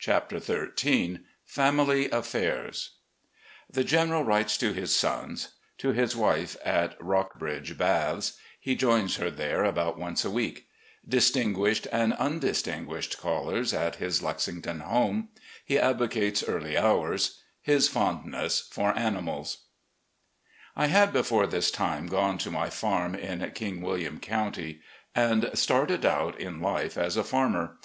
CHAPTER XIII Family Affairs THE GENERAL WRITES TO HIS SONS — ^TO HIS WIFE AT ROCKBRIDGE BATHS — ^HE JOINS HER THERE ABOUT ONCE A WEEK — DISTINGUISHED AND UNDISTINGUISHED CALLERS AT HIS LEXINGTON HOME — ^HE ADVOCATES EARLY HOURS — HIS FONDNESS FOR ANIMALS I HAD before this time gone to my farm in King William County and started out in life as a farmer.